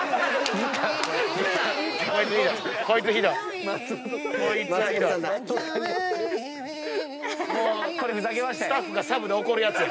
スタッフがサブで怒るやつや。